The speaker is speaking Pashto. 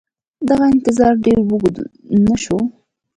دغه انتظار ډېر اوږد نه شو.